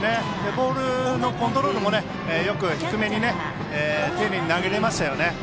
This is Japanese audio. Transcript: ボールのコントロールもよく低めに丁寧に投げられましたね。